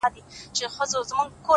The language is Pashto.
شاعره خداى دي زما ملگرى كه;